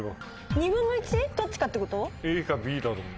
２分の１？どっちかってこと？